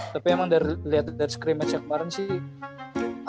tapi emang dari liat dari scrimmage yang kemarin sih